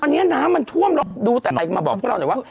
ตอนนี้น้ำมันท่วมดูแต่อะไรมาบอกพวกเราเนี่ยวะ